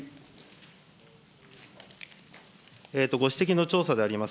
ご指摘の調査であります。